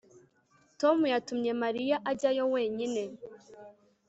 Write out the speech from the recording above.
Tom yatumye Mariya ajyayo wenyine